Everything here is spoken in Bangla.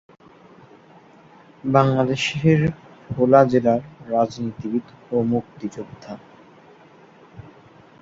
বাংলাদেশের ভোলা জেলার রাজনীতিবিদ ও মুক্তিযোদ্ধা।